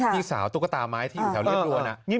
พี่สาวตุ๊กตาไม้ที่อยู่เนื้อเรียสต์อ่วน